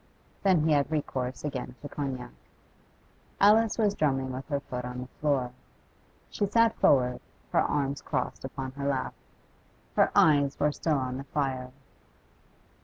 Then he had recourse again to cognac. Alice was drumming with her foot on the floor. She sat forward, her arms crossed upon her lap. Her eyes were still on the fire.